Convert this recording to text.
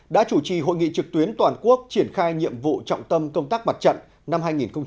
đã chủ trì hội nghị trực tuyến toàn quốc triển khai nhiệm vụ trọng tâm công tác mặt trận năm hai nghìn hai mươi